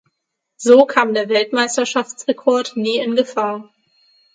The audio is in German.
So kam der Weltmeisterschaftsrekord nie in Gefahr.